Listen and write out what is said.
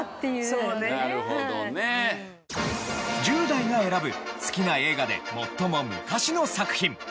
１０代が選ぶ好きな映画で最も昔の作品。